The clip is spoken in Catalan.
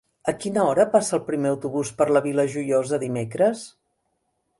A quina hora passa el primer autobús per la Vila Joiosa dimecres?